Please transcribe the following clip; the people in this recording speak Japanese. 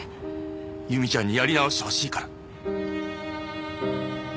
由美ちゃんにやり直してほしいから。